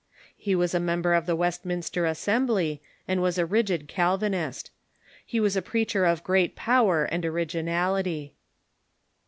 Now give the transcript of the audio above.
He was a member of the AVestminster Assembly, and was a rigid Calvinist. He was a preacher of great power and originality.